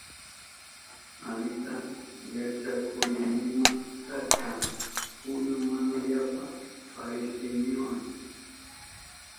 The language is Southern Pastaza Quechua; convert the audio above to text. Alita yachakuynima karka, kunan mana yapa parisinima.